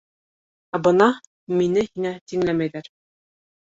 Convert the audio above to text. — Ә бына мине һиңә тиңләмәйҙәр.